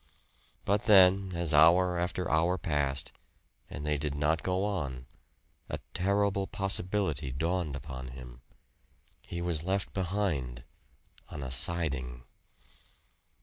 But then, as hour after hour passed, and they did not go on, a terrible possibility dawned upon him. He was left behind on a siding.